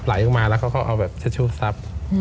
หลายออกมาแล้วซับสับ